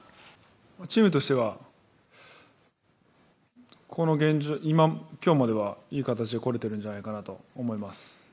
チームとしては今日まではいい形でこれているんじゃないかと思います。